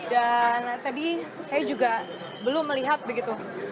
dan tadi saya juga belum melihat begitu